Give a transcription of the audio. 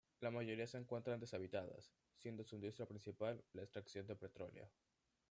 La mayoría se encuentran deshabitadas, siendo su industria principal la extracción de petróleo.